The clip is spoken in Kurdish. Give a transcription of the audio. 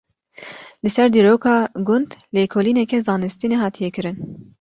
Li ser dîroka gund lêkolîneke zanistî nehatiye kirin.